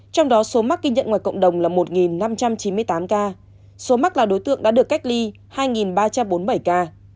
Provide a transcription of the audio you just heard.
trong đó số mắc ghi nhận ngoài cộng đồng là một năm trăm chín mươi tám ca số mắc là đối tượng đã được cách ly hai ba trăm bốn mươi bảy ca